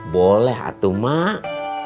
boleh hatu emak